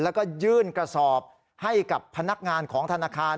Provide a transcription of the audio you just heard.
แล้วก็ยื่นกระสอบให้กับพนักงานของธนาคาร